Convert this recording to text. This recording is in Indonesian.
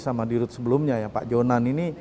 sama dirut sebelumnya ya pak jonan ini